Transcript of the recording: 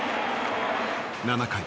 ７回。